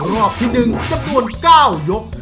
รอบที่๑จำนวน๙ยก